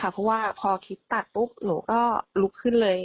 เพราะว่าพอคลิปตัดปุ๊บหนูก็ลุกขึ้นเลย